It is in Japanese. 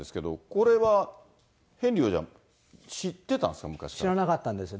これはヘンリー王子は知ってたん知らなかったんですよ。